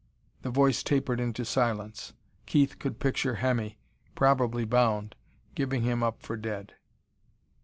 The voice tapered into silence. Keith could picture Hemmy, probably bound, giving him up for dead....